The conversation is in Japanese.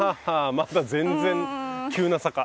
まだ全然急な坂。